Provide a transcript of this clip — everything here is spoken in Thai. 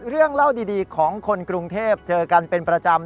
เรื่องเล่าดีของคนกรุงเทพเจอกันเป็นประจำ